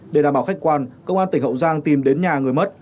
để đảm bảo khách quan công an tỉnh hậu giang tìm đến nhà người mất